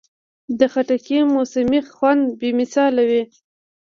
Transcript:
د خټکي موسمي خوند بې مثاله وي.